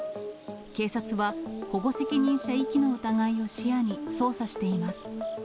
警察は、保護責任者遺棄の疑いを視野に捜査しています。